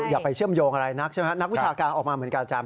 อย่าไปเชื่อมโยงอะไรนักใช่ไหมนักวิชาการออกมาเหมือนกันอาจารย